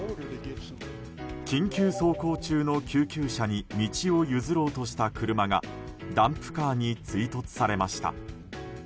緊急走行中の救急車に道を譲ろうとした車がダンプカーに追突されました。